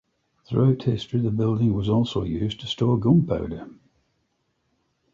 Throughout history the building was also used to store gunpowder.